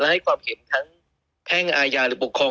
ให้ความเห็นทั้งแพ่งอาญาหรือปกครอง